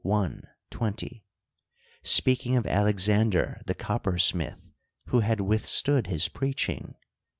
20) ; speaking of Alexander the copper smith, who had withstood his preaching.